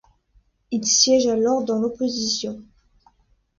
Il siège alors dans l’opposition.